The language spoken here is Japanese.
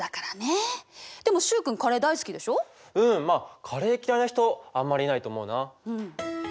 うんまあカレー嫌いな人あんまりいないと思うな。